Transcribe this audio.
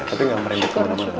tapi gak merebut kemana mana